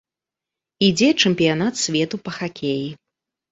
Ідзе чэмпіянат свету па хакеі.